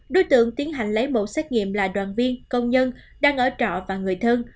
đối tượng tiến hành lấy mẫu xét nghiệm là đoàn viên công nhân đang ở trọ và người thân